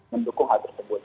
mendukung hal tersebut